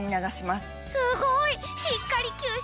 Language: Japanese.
すごい！